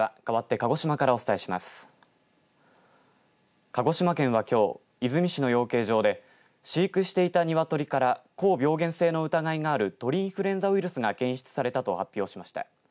鹿児島県はきょう出水市の養鶏場で飼育していた鶏から高病原性の疑いがある鳥インフルエンザウイルスが検出されたと発表しました。